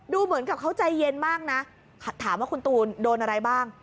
เหมือนกับเขาใจเย็นมากนะถามว่าคุณตูนโดนอะไรบ้าง